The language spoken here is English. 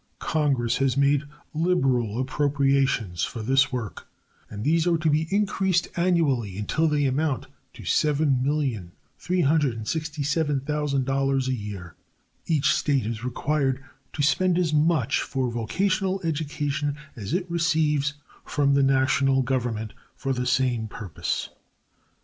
Congress has made liberal appropriations for this work, and these are to be increased annually until they amount to $7,367,000 a year. Each state is required to spend as much for vocational education as it receives from the national Government for the same purpose.